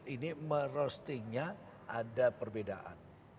ini merostingnya ada perbedaan